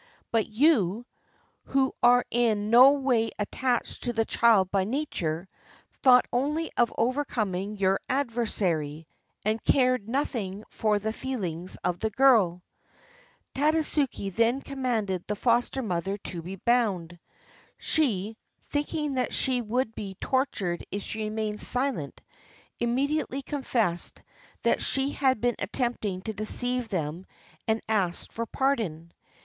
But you, who are in no way attached to the child by nature, thought only of over coming your adversary, and cared nothing for the feel ings of the girl." Tadasuke then commanded the foster mother to be boimd. She, thinking that she would be tortured if she remained silent, immediately confessed that she had been attempting to deceive them and asked for pardon.